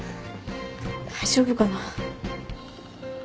大丈夫かな。